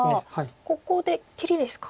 ここで切りですか。